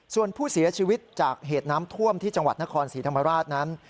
ส่วนผู้เสียชีวิตจากเหตุน้ำท่วมที่จังหวัดนครศรีธรรมราชนั้น